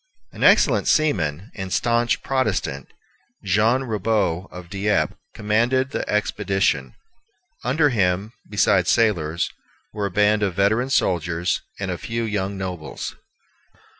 An excellent seaman and stanch Protestant, Jean Ribaut of Dieppe, commanded the expedition. Under him, besides sailors, were a band of veteran soldiers, and a few young nobles.